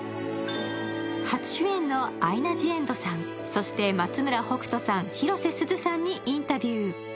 初主演のアイナ・ジ・エンドさん、そして松村北斗さん、広瀬すずさんにインタビュー。